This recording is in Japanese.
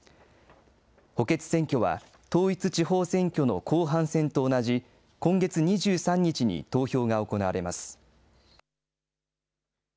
補欠選挙は、統一地方選挙の後半戦と同じ、今月２３日に投票が行われます。